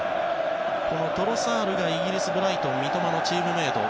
トロサールがイギリスのブライトンでの三笘のチームメート。